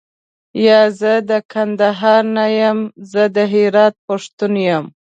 یا، زه د کندهار نه یم زه د هرات پښتون یم.